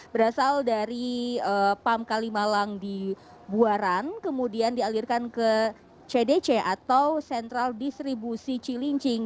berasal dari pam kalimalang di buaran kemudian dialirkan ke cdc atau central distribution chilincing